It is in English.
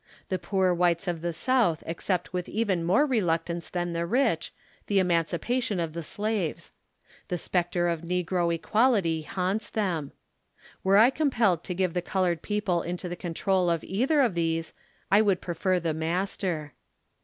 The poor whites of the South accept with even more reluctance than the rich, the emancipation of the slaves. The spectre of negro equality haunts them. Were I compelled to give the col ored people into the control of either of these, I would prefer the master.